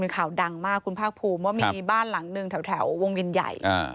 ข่าวดังมากคุณภาคภูมิว่ามีบ้านหลังหนึ่งแถววงวินใหญ่